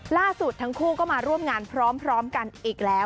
ล่าสุดทั้งคู่ก็มาร่วมงานพร้อมกันอีกแล้ว